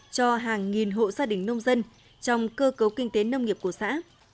cho hàng nghìn hộ gia đình nông dân trong cơ cấu kinh tế nông nghiệp của xã